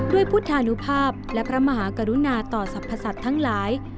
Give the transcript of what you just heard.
พุทธานุภาพและพระมหากรุณาต่อสรรพสัตว์ทั้งหลาย